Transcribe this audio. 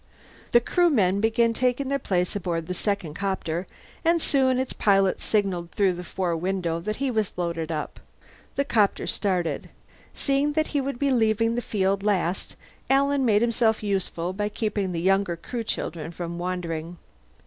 The Crewmen began taking their places aboard the second copter, and soon its pilot signalled through the fore window that he was loaded up. The copter departed. Seeing that he would be leaving the field last, Alan made himself useful by keeping the younger Crew children from wandering.